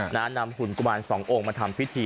นำหุ่นกุมารสององค์มาทำพิธี